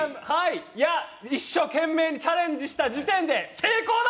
一生懸命チャレンジした時点で成功だ！